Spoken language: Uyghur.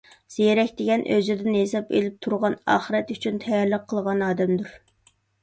زېرەك دېگەن – ئۆزىدىن ھېساب ئېلىپ تۇرغان، ئاخىرەت ئۈچۈن تەييارلىق قىلغان ئادەمدۇر.